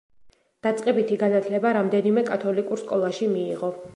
დაწყებითი განათლება რამდენიმე კათოლიკურ სკოლაში მიიღო.